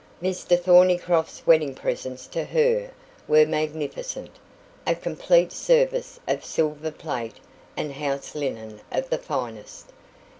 Mr Thornycroft's wedding presents to her were magnificent a complete service of silver plate and house linen of the finest.